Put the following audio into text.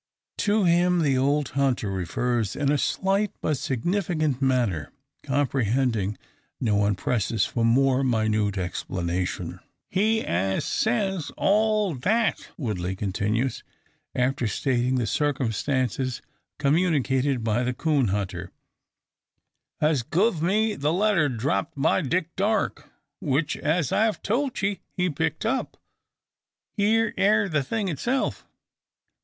To him the old hunter refers in a slight but significant manner. Comprehending, no one presses for more minute explanation. "He as says all that," Woodley continues, after stating the circumstances communicated by the coon hunter, "has guv me the letter dropped by Dick Darke; which, as I've tolt, ye, he picked up. Here air the thing itself.